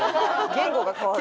言語が変わる。